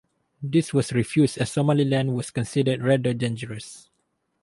This was refused as Somaliland was considered rather dangerous.